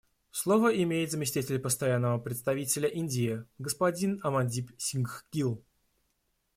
Слово имеет заместитель Постоянного представителя Индии господин Амандип Сингх Гилл.